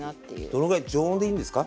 どのぐらい常温でいいんですか？